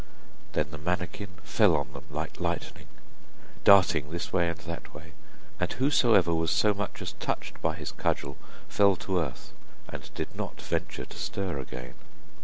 Then the manikin fell on them like lightning, darting this way and that way, and whosoever was so much as touched by his cudgel fell to earth, and did not venture to stir again.